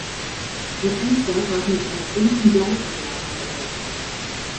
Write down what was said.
Die Fenster waren in einer bunten Bleiverglasung gehalten.